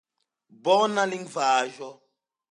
Bona lingvaĵo.